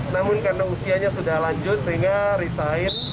namun karena usianya sudah lanjut sehingga reside